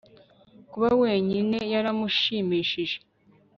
Kuba wenyine yaramushimishije